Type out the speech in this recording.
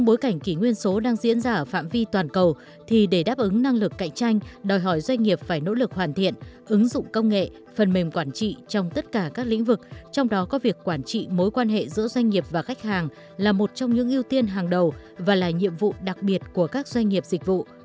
trong bối cảnh kỷ nguyên số đang diễn ra ở phạm vi toàn cầu thì để đáp ứng năng lực cạnh tranh đòi hỏi doanh nghiệp phải nỗ lực hoàn thiện ứng dụng công nghệ phần mềm quản trị trong tất cả các lĩnh vực trong đó có việc quản trị mối quan hệ giữa doanh nghiệp và khách hàng là một trong những ưu tiên hàng đầu và là nhiệm vụ đặc biệt của các doanh nghiệp dịch vụ